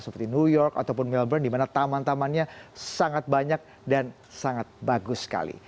seperti new york ataupun melbourne di mana taman tamannya sangat banyak dan sangat bagus sekali